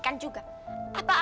kamu enggak apa apa